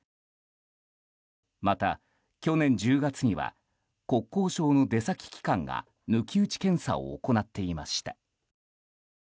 また、去年１０月には国交省の出先機関が抜き打ち検査を行っていました。